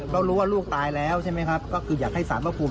ก็รู้ว่าลูกตายแล้วใช่ไหมครับก็คืออยากให้สารพระภูมิ